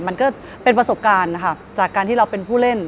มันก็เป็นประสบการณ์นะคะจากการที่เราเป็นผู้เล่น